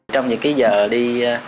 trong những cái giờ đi